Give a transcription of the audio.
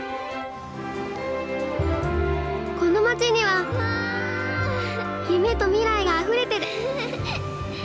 この街には夢と未来があふれてる。